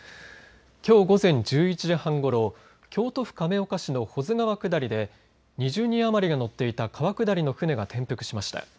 きょう午前１１時半ごろ、京都府亀岡市の保津川下りで２０人余りが乗っていた川下りの船が転覆しました。